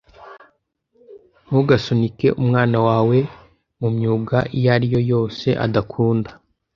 Ntugasunike umwana wawe mumyuga iyo ari yo yose adakunda.